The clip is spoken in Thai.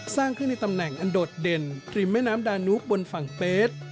สร้างขึ้นในตำแหน่งอันโดดเด่นริมแม่น้ำดานุกบนฝั่งเฟส